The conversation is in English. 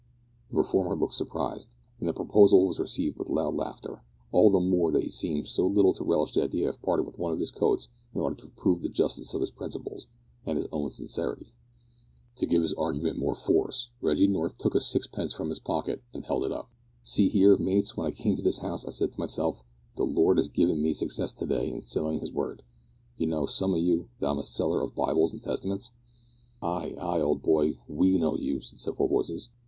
The reformer looked surprised, and the proposal was received with loud laughter; all the more that he seemed so little to relish the idea of parting with one of his coats in order to prove the justice of his principles, and his own sincerity. To give his argument more force, Reggie North took a sixpence from his pocket and held it up. "See here, mates, when I came to this house I said to myself, `The Lord 'as given me success to day in sellin' His word,' you know, some of you, that I'm a seller of Bibles and Testaments?" "Ay, ay, old boy. We know you," said several voices.